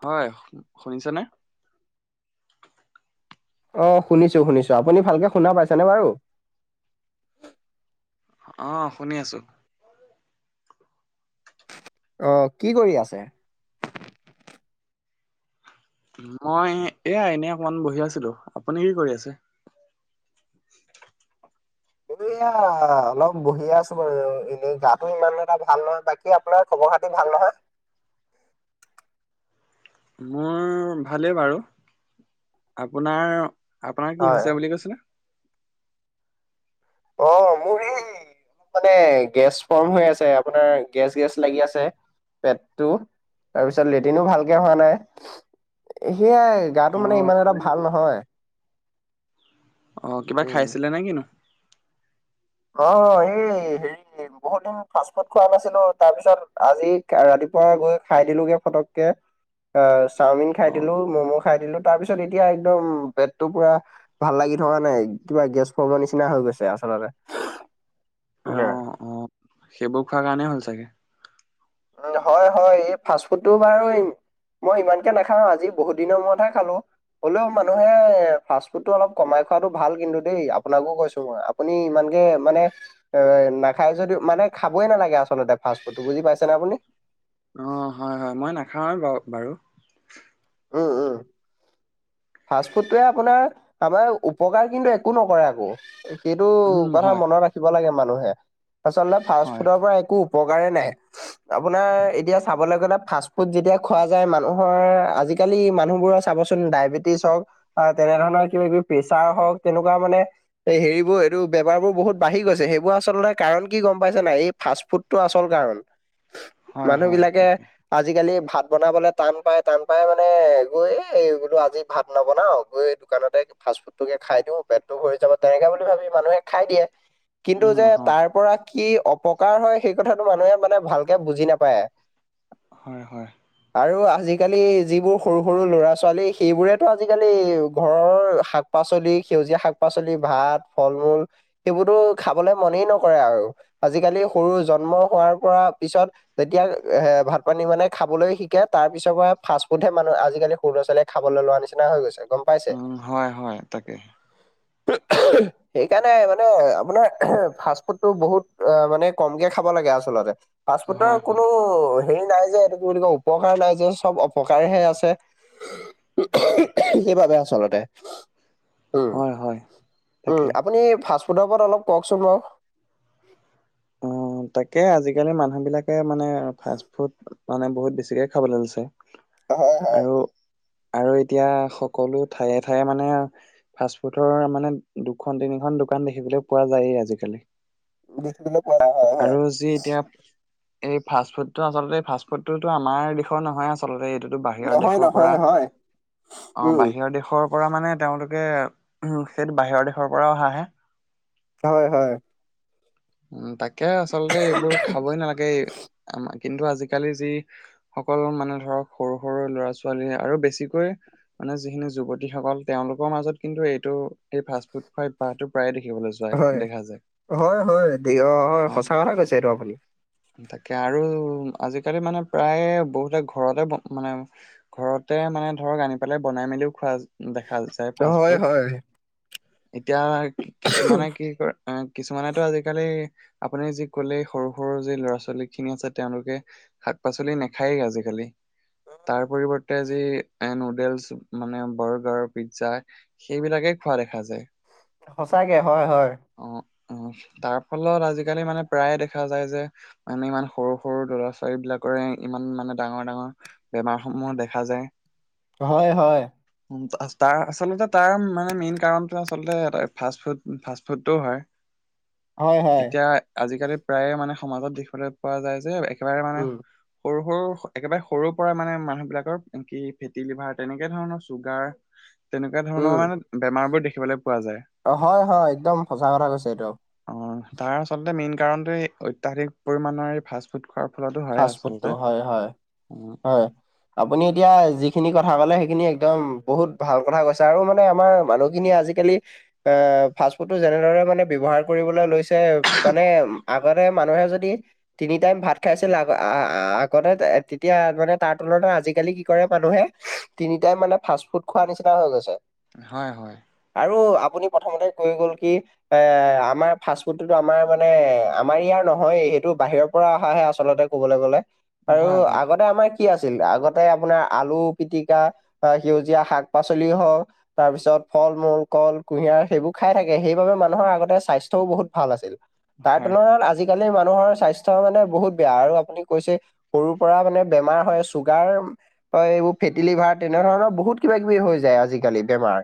হয়, শুনিছ নে? অ, শুনিছো-শুনিছো আপুনি ভালকে শুনা পাইছানে বাৰু। অহ, শুনি আছো। আহ, কি কৰি আছে? মই এয়া এনে অকমান বহি আছিলো আপুনি কি কৰি আছে? [inaudible] এই এয়া অলপ বহিয় আছো বাৰু এনেই গাটো ইমান এটা ভাল নহয় বাকী আপোনাৰ খবৰ, গাটো ভাল নহয়। [inaudible] মোৰ ভালেই বাৰু আপোনাৰ? আপোনাৰ কি হয় হৈছে বুলি কৈছিলে? অ, মোৰ এই, মানে গেছ ফৰ্ম হৈ আছে আপোনাৰ গেছ-গেছ লাগি আছে পেটটো। তাৰপিছত লেটিনো ভালকে হোৱা নাই। সেয়াই গাটো মানে ইমান এটা ভাল নহয়। অ, কিবা উম। খাইছিলে নে কিনো? অ, এই হেৰি বহুত দিন ফাষ্ট ফুড খোৱা নাছিলো তাৰ পিছত আজি ৰাতিপুৱা গৈ খাই দিলোগে ফটককে। আহ চাওমিন খাই অঁ দিলো ম'ম' খাই দিলো তাৰ পিছত এতিয়া একদম বেটটো পুৰা ভাল লাগিল। থকা নাই কিবা গেছ ফবৰ নিচিনা হৈ গৈছে আচলতে হ। অঁ অঁ সেইবোৰ খোৱাৰ কাৰণেই হ'ল চাগে। উ হয় হয় এই ফাষ্ট ফুডটোও বাৰু। মই ইমানকে নাখাও আজি বহুত দিনৰ মূৰতহে খালো। হ'লেও মানুহে ফাষ্ট ফুডটো অলপ কমাই খোৱাটো ভাল কিন্তু দেই আপোনাকো কৈছো মই আপুনি ই। মানে নাখাই যদিও মানে খাবই নালাগে আচলতে ফা ফুড বুজি পাই। আপুনি? অঁ হয় হয় মই নাখাওঁ আৰু ব বাৰু। উম উম। [inaudible] ফাষ্ট ফুডটোৱে আপোনাৰ আমাৰ উপকাৰ কিন্তু একো নকৰে আকৌ। সেইটো উম কথা হয় মনত ৰাখিব লাগে মানুহে আচলতে ফাষ্ট হয় ফুডৰ পৰা একো। উপকাৰে নাই। আপোনাৰ এতিয়া চাবলৈ গ'লে ফাষ্ট ফুড যেতিয়া খোৱা যায় মানুহৰ আজি। আজিকালি মানুহবোৰৰ চাবচোন ডায়েবেটিছ হওক তেনে ধৰণৰ কিবা কিবি প্ৰেচাৰ হওক তেনেকুৱা মানে। এই হেৰিবোৰ এইটো বেমাৰ বোৰ বহুত বাঢি গৈছে সেইবোৰ আচলতে কাৰণ কি গম পাইছে নাই এই ফাষ্ট ফুডতটো আচলতে। কাৰ হয় মানুহ হয় বিলাকে তাকে। আজিকালি ভাত বনাবলে টান পায় টান পাই মানে। [unintelligible] এই এই বোলো আজি ভাত নবনাও গৈ দোকানতে ফাষ্ট ফুড কে খাই দিও পেটটো ভৰি যাব তেনেকে বুলি। ভি মানুহে খাই দিয়ে কিন্তু উম যে হয় তাৰ পৰা। কি অপকাৰ হয় সেই কথাটো মানুহে মানে ভালকে বুজি নাপায়। হয়, হয়। আৰু আজিকালি যিবোৰ সৰু-সৰু ল'ৰা ছোৱালী সেইবোৰেতো আজিকালি, ঘৰৰ শাক পাচলি সেউজীয়া শাক পা পাচলি, ভাত, ফল মূল, সেইবোৰোটো খাবলৈ মনেই নকৰে আৰু, আজিকালি সৰু জন্ম মই শুৱাৰ পৰা পিছত যেতিয়া, এ ভাত পানী মানে খাবলৈ শিকে তাৰ পিছৰ পৰা ফাছ সোধে মানুয়ে, আজিকালি সৰু লৰা ছোৱালীয়ে খাবলৈ লোৱাৰ নিচিনা হৈ গৈছে। গম পাইছে উম, হয়-হয় তাকে। সেইকাৰণে মানে আপোনাৰ ফাষ্টফুডটো বহুত মানে কমকে খাব লাগে আচলতে। ফাষ্টফুটৰ হয় কোনো হয় হেৰি নাই যে এইটো কি বুলি কয় উপকাৰ নাই যে, চব অপ পকাইহে আছে সেইবাবে আচলতে। উম, হয় হয় উম, তাকে। আপুনি ফাষ্টফুডৰ ওপৰত অলপ কওকচোন বাৰু। [inaudible] তাকে আজিকালি মানুহ বিলাকে মানে ফাষ্টফুড মানে বহুত বেছিকে খাবলৈ লৈছে। হয়, হয়। আৰু আৰু এতিয়া সকলো ঠায়ে-ঠায়ে মানে, ফাষ্টফুডৰ মানে দুখন তিনিখন দোকান দে দেখিবলে পোৱা যায়েই আজিকালি। দিখ বিলাক আৰু যি এতিয়া এই ফাষ্টফুডটো আচলতে এই ফাষ্ট ফুডটো তো আমাৰ দেশৰ নহয় আচলতে এইটো বাহিৰৰ নহয়, দেশৰ পৰা নহয়, হয়, অ', উম, বাহিৰৰ দেশৰ পৰা মানে তেওঁলোকে উম, সেইটো বাহিৰৰ দেশৰ পৰা অহা হে। হয়-হয়। উম, তাকে আচলতে এইবোৰ খাবই নালাগে আমাক কিন্তু আজিকালি যি সকলো মানে ধৰক, সৰু-সৰু ল'ৰা ছোৱালী আৰু বেছিকৈ মানে যিখিনি যুৱতীসকল তেওঁলোকৰ মাজত কিন্তু এইটো এই ফাষ্ট ফুড খোৱা অভ্যাসতো প্ৰায় দেখি দেখিবলৈ যায়, হয়, দেখা যায়। হয় হয়, অ', সঁচা কথা কৈছে এইটো আপুনি। তাকে আৰু আজিকালি মানে প্ৰায়ে বহুতে ঘৰতে ব মানে ঘৰতে মানে ধৰক আনি পেলাই বনাই মেলিও খোৱা দেখা যায় হয়, ফাষ্টফুড। হয়, এতিয়া কিছুমানে কি কৰে, এ কিছুমানে ত' আজিকালি, আপুনি যি ক'লেই সৰু-সৰু যি ল'ৰা ছোৱালী খিনি আছে তেওঁলোকে শাক পাচলি নেখায়েই আজিকালি, তাৰ পৰিবৰ্তে তে যি, এ নুডেলছ মানে বাৰ্গাৰ, পিজ্জা, সেইবিলাকে খোৱা দেখা যায়। সঁচাকে হয়-হয়। [unintelligible] তাৰ ফলত আজিকালি মানে প্ৰায়ে দেখা যায় যে, মানে ইমান সৰু-সৰু ল'ৰা ছোৱালী বিলাকৰে ইম মান মানে ডাঙৰ-ডাঙৰ, বেমাৰ সমূহ দেখা যায়। হয়-হয়। তাৰ আচলতে তাৰ মানে মেইন কাৰণটো আচলতে ফাষ্টফুড-ফাষ্টফুডটোও হয়। হয়, হয়, এতিয়া আজিকালি প্ৰায়ে মানে সমাজত দেখিবলৈ পোৱা যায় যে এক একেবাৰে মানে, উম, সৰু সৰু একেবাৰে সৰুৰ পৰাই মানে মানুহ বিলাকৰ, কি ফেটি লিভাৰ তেনেকে ধৰণৰ, চুগাৰ তেনেকুৱা ধৰণৰ উম, মানে, বেমাৰ বোৰ দেখিবলে অ', হয়-হয় একদম সচা কথা কৈছে এইটো। অ', তাৰ আচলতে মেইন কাৰণটোৱে অত্যাধিক পৰিমাণৰ এই ফাষ্টফুড ফাষ্টফুডটো হয়-হয়, উম, হয়, আপুনি এতিয়া যিখিনি কথ কথা কলে সেইখিনি একদম, বহুত ভাল কথা কৈছে আৰু মানে আমাৰ মানুহখিনিয়ে আজিকালি, এ ফা ফাষ্টফুডটো যেনেদৰে মানে ব্যৱহাৰ কৰিবলৈ লৈছে। মানে আগতে মানুহে যদি তিনি টাইম ভাত, খাইছিল আগ-আগতে তেতিয়া মানে তাৰ তুলনাত আজিকালি কি কৰে মানুহে, তিন তিন টাইম মানে ফাষ্ট ফুড খোৱা নিচিনা হৈ গৈছে। হয়-হয়। আৰু আপুনি প্ৰথমতে কৈ গ'ল কি, এ আমাৰ ফাষ্ট ফুডটোতো আমাৰ মানে, আমাৰ ইয়াৰ নহয়ে। সেইটো বাহিৰৰ পৰা অহা হে আচলতে ক'বলৈ গ'লে, আৰু হয় হয়, আগতে আমাৰ কি আছিল, আগতে আপোনাৰ আলু পিতিকা, বা সেউজীয়া শাক পাচলি হওক, তাৰপিছত ফল মূল কল, কুঁহিয়াৰ সেইবোৰ খাই থাকে সেইবাবে মানুহৰ আগতে স্বাস্থ্যও বহুত ভাল আছিল। হয় তাৰ হয়, তুলনাত আজিকালি মানুহৰ স্বাস্থ্য মানে বহুত বেয়া আৰু আপুনি কৈছে সৰুৰ পৰা মানে বেমাৰ হয় চুগাৰ এইবোৰ ফেটি লিভাৰ তেনে। তেনে ধৰণৰ বহুত কিবা-কিবি হৈ যায় আজিকালি বেমাৰ।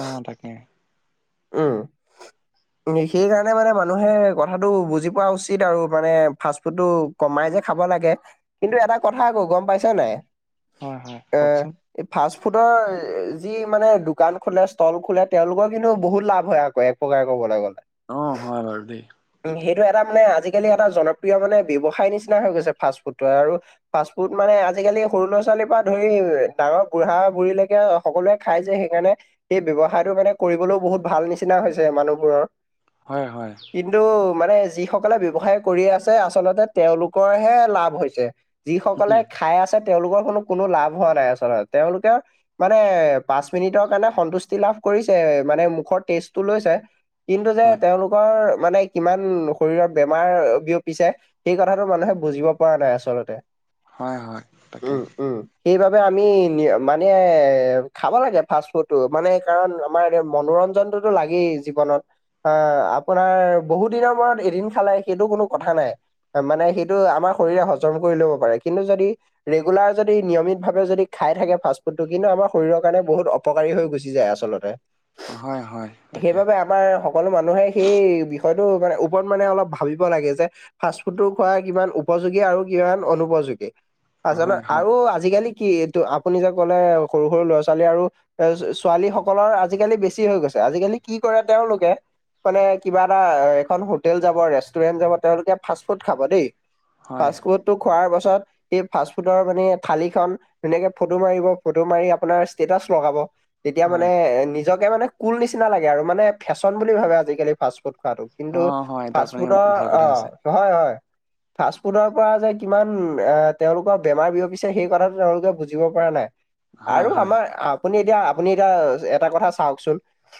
অ', তাকে। উম, সেই কাৰণে মানে মানুহে কথাটো বুজি পোৱা উচিত আৰু মানে ফাষ্ট ফুডটো কমাই। খাব লাগে কিন্তু এটা কথা আকৌ গম পাইছেনে। হয় হয়, কওকচোন। ফুটৰ, যি মানে দোকান খোলে ষ্টল খোলে তেওঁলোকৰ হেনো বহুত লাভ হয় আকৌ এক প্ৰকাৰে কবলৈ গ'লে। অ', হয় আৰু দে। উম, সেইটো এটা মানে আজিকালি এটা জনপ্ৰিয় মানে ব্যৱসায় নিচিনা হৈ গৈছে ফাষ্ট ফুড আৰু ফাষ্ট ফুড মানে। আজিকালি সৰু ল'ৰা-ছোৱালীৰ পৰা ধৰি ডাঙৰ বুঢ়া-বুঢ়ীলৈকে সকলোৱে খাই যে সেইকাৰণে। এই ব্যয়ৱসায়টো মানে কৰিবলৈও বহুত ভাল নিচিনা হৈছে মানুহবোৰৰ। হয়, হয়, কিন্তু মানে যিসকলে ব্যৱসায় কৰি আছে আচলতে তেওঁলোকৰহে লাভ হৈছে। যি সকলে উম, খাই আছে। তেওঁলোকৰ কোনো-কোনো লাভ হোৱা নাই। আচলতে তেওঁলোকে মানে পাঁচ মিনিটৰ কাৰণে সন্তুষ্টি লাভ। কৰিছে, মানে মুখৰ ষ্টেটো লৈছে, কিন্তু যে হয়, তেওঁলোকৰ মানে কিমান শৰীৰৰ বেমাৰ বিয়পিছে, সেই কথাটো মানুহে বুজিব পৰা নাই আচলতে। হয়, হয়, তাকে। উম, উম, সেইবাবে আমি মানে খাব লাগে ফাষ্ট ফুডটো মানে কাৰণ আমাৰ মনোৰন জনতো লাগেই জীৱনত অহ আপোনাৰ বহু দিনৰ মূৰত এদিন খালে সেইটো কোনো কথা নাই। মানে সেইটো আমাৰ শৰীৰে হজম কৰি ল'ব পাৰে কিন্তু যদি ৰেগুলাৰ যদি নিয়মিত ভাৱে যদি খা খাই থাকে ফাষ্টফুডটো কিন্তু আমাৰ শৰীৰৰ কাৰণে বহুত অপকাৰী হৈ গুচি যায় আচলতে। হয় হয়, তাকে, সেইবাবে আমাৰ সকলো মানুহে সেই বিষয়টো মানে ওপৰত মানে অলপ ভাল ভাবিব লাগে যে ফাষ্টফুডো খোৱা কিমান উপযোগী আৰু কিমান অনুপযোগী। আৰু জানা হয় হয়, আৰু আজিকালি। কি এইটো আপুনি যে ক'লে সৰু-সৰু ল'ৰা ছালী আৰু এ ছোৱালী সকলৰ আজিকালি বেছি হৈ গৈছে। আজিকালি কি কৰে তেওঁলোকে। মানে কিবা এটা এখন হোটেল যাব ৰেষ্টুৰেণ্ট যাব তেওঁলোকে ফাষ্ট ফুড খাব দেই। হয় ফাষ্টফুড টো খোৱাৰ পাছ পিছত এই ফাষ্ট ফুডৰ মানে থালি খন ধুনীয়াকে ফটো মাৰিব ফটো মাৰি আপোনাৰ ষ্টেটাচ লগাব তেতিয়া হয়। মানে নিজকে মানে কুল নিচিনা লাগে আৰু মানে ফেশ্বন বুলি ভাবে আজিকালি ফাষ্টফুড। খোৱাটো অ কিন্তু হয় এইটো ফাষ্ট আপুনি ফুডৰ ভাল অ, কথা কৈছে হয়-হয়। ফাষ্ট ফুডৰ পৰা যে কিমান এ তেওঁলোকৰ বেমাৰ বিয়পিছে সেই কথাটো তেওঁলোকে বুজিব পৰা নাই। হয় আৰু হয় আমাৰ আপুনি এতিয়া আপুনি এতিয়া এটা কথা চাওঁচোন।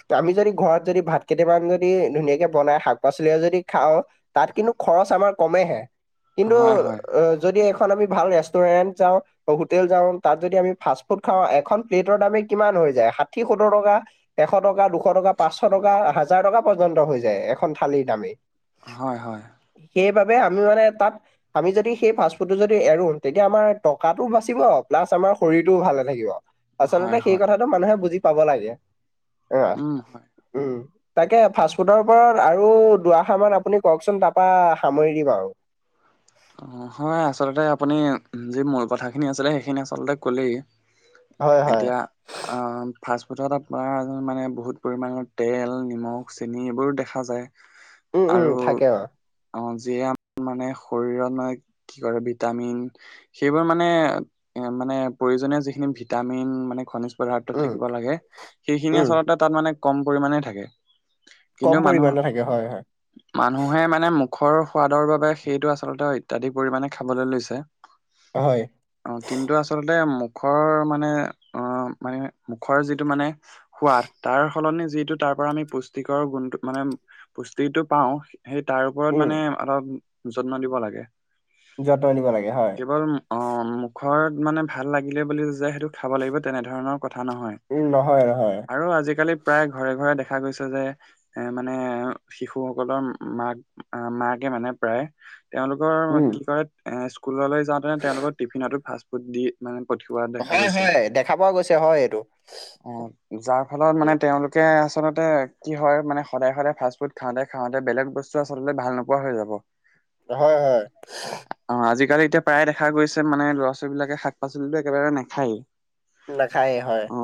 তে আমি যদি ঘৰত যদি ভাত কেইটামান যদি ধুনীয়াকে বনাই শাক-পাচলিয়ে যদি খাওঁ তাত কিন্তু [unintelligible] খৰছ আমৰ কমেহে কিন্তু হয় হয় অ, যদি সেই আমি ভাল ৰেষ্টুৰেন্ট যাওঁ, হোটেল যাওঁ তাত যদি আমি ফাষ্ট ফুড খাওঁ এখন প্লেটৰ দামে কিমান। হৈ যায়, ষাঠি সত্তুৰ টকা এশ টকা, দুশ টকা, পাঁচশ টকা, হাজাৰ টকা পৰ্যন্ত হৈ যায় এখন থালিৰ দামেই। হয়-হয়। সেইবাবে আমি মানে তাত আমি যদি সেই পাচপুটো যদি এৰো তেতিয়া আমাৰ টকাাতটো বাচিব তাছ আমাৰ শৰীৰটোও ভালে থাকিব হয় আচলতে সেই হয় কথাটো মানুহে বুজি পাব লাগে হ উম হয় উম তাকে ফাষ্টফুডৰ ওপৰত আৰু দআষাৰান আপুনি কওকচোন তাৰপৰা সামৰি দিম আৰু হয় অ হয় আচলতে আপুনি যি মূল কথাখিনি আছিলে সেইখিনি আচলতে ক'লেই হয় হয় এতিয়া আহ ফাষ্টফুডত আপোনাৰ মানে বহুত পৰিমাণৰ তেল নিমখ চেনি এইবোৰো দেখা যায় উম উম আৰু থাকে অ অ যিয়ে মানে শৰীৰত মানে কি কৰে ভিটামিন সেইবোৰ মানে এ মানে প্ৰয়োজনীয় যিখিনি ভিটামিন মানে খনিজ উম থাকিব লাগে সেইখিনিয়ে উম আচলতে তাত মানে কম পৰিমণে থাকে কিন্তু কম মানুহ পৰিমাণে থাকে হয় হয়। মানুহে মানে খৰ সোৱাদৰ বাবে সেইটো আচলতে অত্যাধিক পৰিমাণে খাবলৈ লৈছে হয় অ কিন্তু আচলতেোক মুখৰ মানে অ মানে মুখৰ যিটো মানে সোৱাদ তাৰ সলনি যিটো তাৰ ত পৰা আমি পুষ্টিকৰ গুণ মানে পুষ্টিটো পাওঁ সেই তাৰ ওপৰত উম মানে অলপ যত্ন দিব লাগে যত্ন দিব লাগে হয় কেৱল অ ঘৰত মানে ভাল লাগিলে বুলি যোয় সেইটোোক খাব লাগিব তেনেধৰণৰ ক নহয় উম নহয় নহয় আৰু আজিকালি প্ৰায় ঘৰে ঘৰে দেখা গৈছে যে এ মানে শিশুসকলৰ মাক মাকে মানে প্ৰায় তেওঁলোকৰ উম। কি কৰে এ স্কুললৈ যাওঁতেনে তেওঁলোকৰ টিফিনতো ফাষ্ট ফুড দি মানে পঠিওৱা দেখা হয় গৈছে। হয় দেখা পোৱা গৈছে হয় এইটো অ যাৰ ফলত মানে উম তেওঁলোকে আচলতে কি হয় মানে সদায় সদায় ফাষ্ট ফুড খাওঁতে খাওঁতে বেলেগ বস্তু আচলতে ভাল নোপোৱা হৈ যাব হয় হয় অ আজিকালি এতিয়া প্ৰায় দেখা গৈছে মানে ল'ৰা ছোৱালবলাকে শাক পাচলিতো একেবাৰে নাখায়েই নাখায়ে হয় অ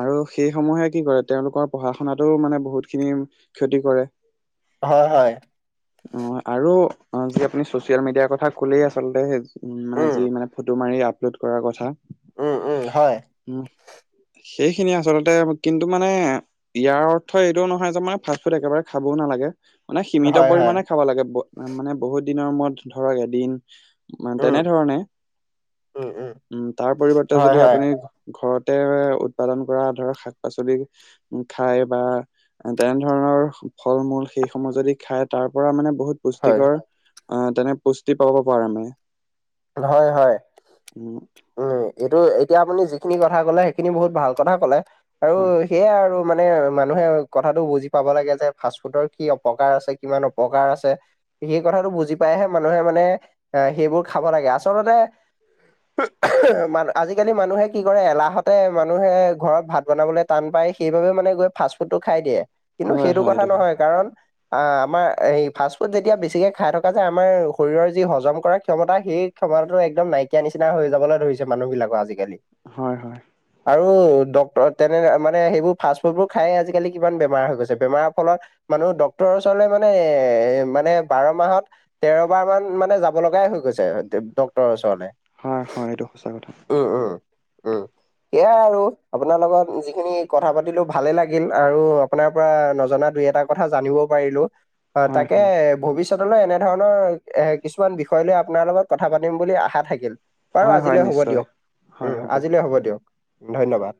আৰু সেইসমূহে কি কৰে তেওঁলোকৰ পঢ়া শুনাাতোও মানে বহুত খিনি ক্ষতি কৰে হয় হয় অ আৰু অ যি আপুনি ছচিয়েল মিডিয়াৰ কথা ক'লেই আচলতে উ মানে উম। যি মানে ফটো মাৰি আপলোড কৰাৰ কথা উম, উম, হয়, উম সেইখিনিয়ে আচলতে কিন্তু মানে ইয়াৰ অৰ্থ এইটোও নহয় যে মানে ফাষ্ট ফুড একেবাৰে খাবও নালাগে মানে সীমিত হয়, হয়, পৰিমাণে খাব লাগে মানে বহুত দিনৰ মূৰত ধৰক এদিন উম, তেনেধৰণে উম তাৰ পৰিৱৰ্তে হয়, যদি হয়, আপুনি ঘৰত উৎপাদন কৰা ধৰক শাক পাচলি খাই বা তেনে ধৰণৰ ফল মূল সেইসমূহ যদি খাই তাৰ পৰা মানে বহুত হয়। পুষ্টিকৰ আহ তেনে পুষ্টি পাব পাৰোমে হয় হয় উ এইটো এই এতিয়া আপুনি যিখিনি কথা কলে সেইখিনি বহুত ভাল কথা ক'লে আৰু হয়, সেয়াই আৰু মানে মানুহে কথাাতটো বুজি পাব লাগে যে ফাষ্ট ফুডৰ কি অপকাৰ আছে কিমান অপকাৰ আছে সেই কথাটো বুজি পাইহে মানুহে মানে আহ সেইবোৰ খাব লাগে আচলতে মান আজিকালি মানুহে কি কৰে এলাহতে মানুহে ঘৰত ভাত বনাবলৈ টান পায় সেইবাবে মানে গৈ ফাষ্ট ফুডটো খাই দিয়ে কিন্তু হয়, সেইটো হয়, কথা এইটো হয়, নহয় কাৰণ আ আমাৰ এই ফাষ্ট ফুড যেতিয়া বেছিকে খাই থকা যায় আমাৰ শৰীৰৰ যি হজম কৰা ক্ষমতা সেই ক্ষমতাটো একম নাইকিয়া নিচিনা হৈ যাবলৈ ধৰিছে মানুহবিলাকো আজিকালি হয় হয় আৰু ডক্তৰ তেনে মানে সেইবোৰ ফাষ্ট ফুডবোৰ খাই আজিকালি কিমান বেমাৰ হৈ গৈছে বেমাৰৰ ফলত মানুহ ডক্তৰৰ ওচৰলে মানে এ মানে বাৰ মাহত তেৰ বাৰ মান মানে যাব লগাই হৈ গৈছে ডে- ডক্তৰৰ ওচৰ হয়-হয় এইটো সঁচা কথা। উম, উম, এয়া আৰু আপোনাৰ লগত যিখিনি কথা পাতিলো ভালে লাগিল আৰু আপোনাৰ পৰা নজনা দুই, এটা কথা জানিব পাৰিলোঁ। অ, হয়, তাকে হয়, ভৱিষ্যতলৈ এনেধৰণৰ এ কিছুমান বিষয় লৈ আপ আপোনাৰ লগত কথা পাতিম বুলি আশা থাকিল বাৰু হয়, হয়, আজিলৈ হ'ব নিশ্চয়, দিয়ক উম, আজিলৈ হ'ব দিয়ক। ধন্যবাদ।